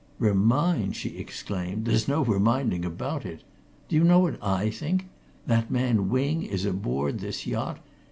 "Reminds!" she exclaimed. "There's no reminding about it! Do you know what I think? That man Wing is aboard this yacht!